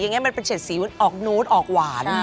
ยังไงมันเป็นเฉดสีออกนูตออกหวาน